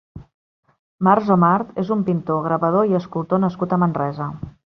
Marzo-Mart és un pintor, gravador i escultor nascut a Manresa.